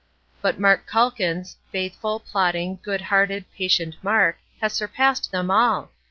But Mark Calkins, faithful, plodding, good hearted, patient Mark, has surpassed them all!